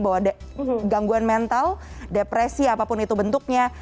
bahwa gangguan mental depresi apapun itu bentuknya